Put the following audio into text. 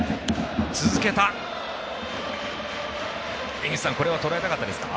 井口さんこれはとらえたかったですか？